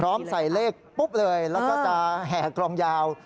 ใส่เลขปุ๊บเลยแล้วก็จะแห่กรองยาว